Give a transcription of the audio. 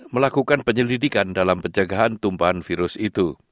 melakukan penyelidikan dalam penjagaan tumpahan virus itu